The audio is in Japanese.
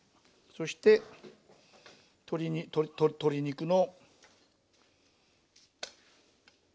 そして鶏肉の。